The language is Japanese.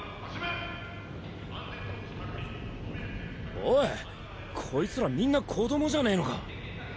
おいこいつらみんな子どもじゃねぇのか？